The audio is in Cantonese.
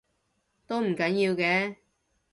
都唔緊要嘅